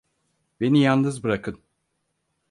Beni yalnız bırakın!